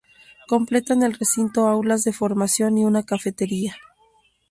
Completan el recinto aulas de formación y una cafetería.